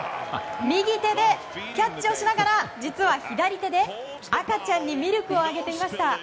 右手でキャッチをしながら実は左手で赤ちゃんにミルクをあげていました。